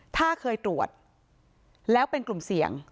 ถ้าเคยตรวจแล้วเป็นกลุ่มเสี่ยง